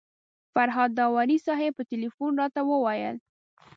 فرهاد داوري صاحب په تیلفون راته وویل.